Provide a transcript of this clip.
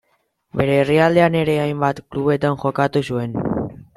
Bere herrialdean ere hainbat klubetan jokatu zuen.